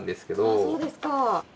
ああそうですか。